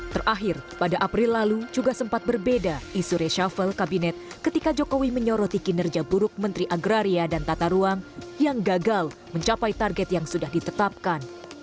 terakhir pada april lalu juga sempat berbeda isu reshuffle kabinet ketika jokowi menyoroti kinerja buruk menteri agraria dan tata ruang yang gagal mencapai target yang sudah ditetapkan